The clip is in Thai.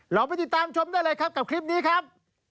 เราไปติดตามชมได้เลยครับกับคลิปนี้ครับ